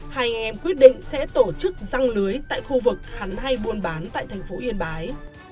hai anh em quyết định sẽ tổ chức răng lưới tại khu vực hắn hay buôn bán tại thành phố yên bái